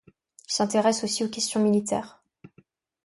Il s'intéresse aussi aux questions militaires.